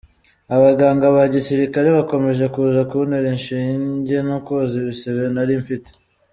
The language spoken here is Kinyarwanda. Abaganga ba gisirikare bakomeje kuza kuntera inshinge no koza ibisebe nari mfite.